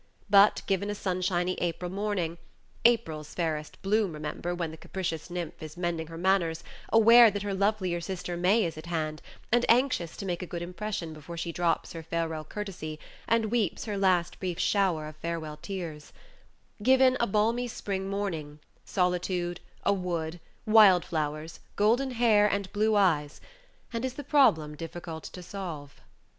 But, given a sunshiny April morning (April's fairest bloom, remember, when the capricious nymph is mending her manners, aware that her lovelier sister May is at hand, and anxious to make a good impression before she drops her farewell courtesy, and weeps her last brief shower of farewell tears) given a balmy spring morning, solitude, a wood, wild flowers, golden hair, and blue eyes, and is the problem difficult to solve?